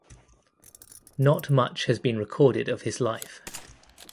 Not much has been recorded of his life.